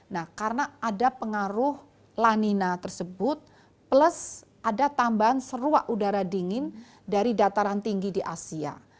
nah karena ada pengaruh lanina tersebut plus ada tambahan seruak udara dingin dari dataran tinggi di asia